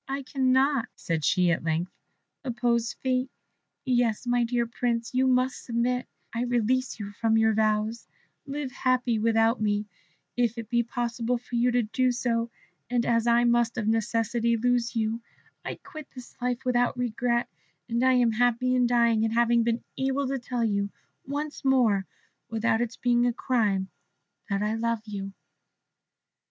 "I cannot," said she at length, "oppose fate; yes, my dear Prince, you must submit; I release you from your vows, live happy without me, if it be possible for you to do so; and as I must of necessity lose you, I quit this life without a regret, and am happy in dying at having been able to tell you once more without its being a crime that I love you."